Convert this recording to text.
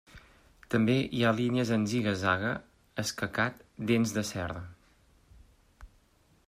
També hi ha línies en ziga-zaga, escacat, dents de serra.